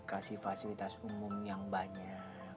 kasih fasilitas umum yang banyak